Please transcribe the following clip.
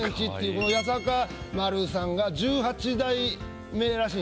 この八坂丸さんが１８代目らしいんで。